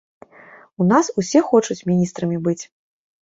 У нас усе хочуць міністрамі быць.